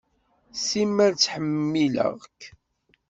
Simmal ttḥemmileɣ-k.